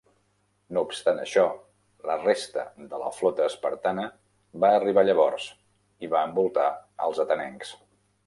No obstant això, la resta de la flota espartana va arribar llavors i va envoltar els atenencs.